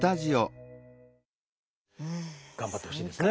頑張ってほしいですね。